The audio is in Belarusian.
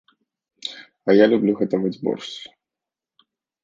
А я люблю гатаваць боршч.